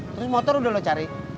terus motor udah lo cari